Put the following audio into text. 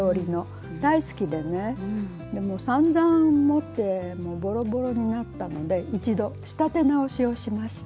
大好きでねさんざん持ってボロボロになったので一度仕立て直しをしました。